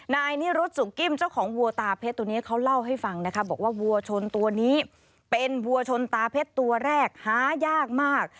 นายนิรุธสุกกิ้มเจ้าของวัวตาเพชรตัวนี้เขาเล่าให้ฟังนะคะบอกว่าวัวชนตัวนี้เป็นวัวชนตาเพชรตัวแรกหายากมาก